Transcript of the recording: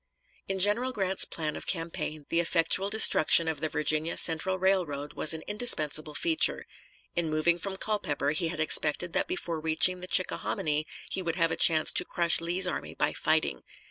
In General Grant's plan of campaign the effectual destruction of the Virginia Central Railroad was an indispensable feature. In moving from Culpeper he had expected that before reaching the Chickahominy he would have a chance to crush Lee's army by fighting.